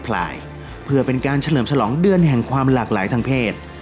พลายเพื่อเป็นการเฉลิมฉลองเดือนแห่งความหลากหลายทางเพศ